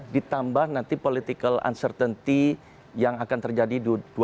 ditambah nanti political uncertainty yang akan terjadi dua ribu dua puluh